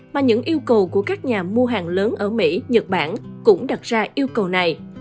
mà những yêu cầu của các nhà mua hàng lớn ở mỹ nhật bản cũng đặt ra yêu cầu này